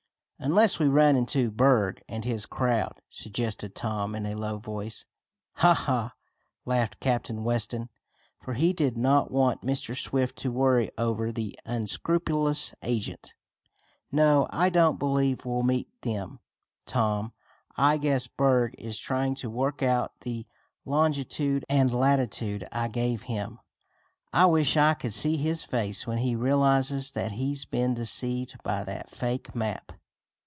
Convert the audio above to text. "Unless we run into Berg and his crowd," suggested Tom in a low voice. "Ha! ha!" laughed Captain Weston, for he did not want Mr. Swift to worry over the unscrupulous agent. "No, I don't believe we'll meet them, Tom. I guess Berg is trying to work out the longitude and latitude I gave him. I wish I could see his face when he realizes that he's been deceived by that fake map."